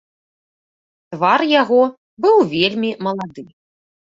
Твар яго быў вельмі малады.